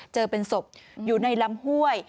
เจอเป็นศพอยู่ในลำห้วย